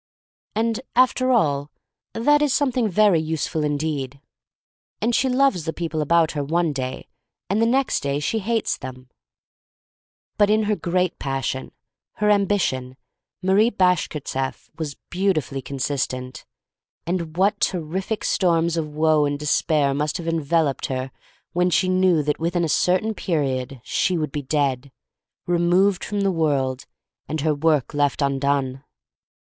— And, after all, that is something very useful indeed. — And she loves the people about her one day, and the next day she hates them. io6 THE STORY OF MARY MAC LANE I07 ' But in her great passion— her ambi tion, Marie Bashkirtseff was beautifully consistent. And what terrific storms of woe and despair must have enveloped her when she knew that within a cer tain period she would be dead — re moved from the world, and her work left undone!